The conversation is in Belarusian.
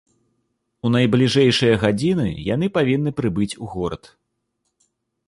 У найбліжэйшыя гадзіны яны павінны прыбыць у горад.